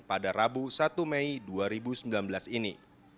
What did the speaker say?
pada rabu satu mei dua ribu sembilan belas ini